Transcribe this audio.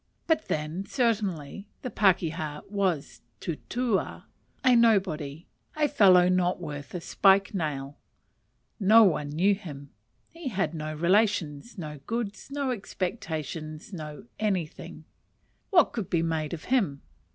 But then, certainly, the pakeha was a tutua, a nobody, a fellow not worth a spike nail; no one knew him; he had no relations, no goods, no expectations, no anything: what could be made of him?